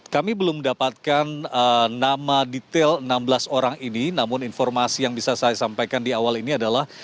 kami belum mendapatkan nama detail enam belas orang ini namun informasi yang bisa saya sampaikan di awal ini adalah